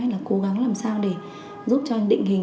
là cố gắng làm sao để giúp cho anh định hình